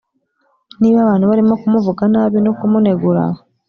niba abantu barimo kumuvuga nabi no kumunegura,